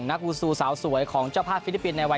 นักวูซูสาวสวยของเจ้าผ้าฟิลิปปินส์ในวัย๒๑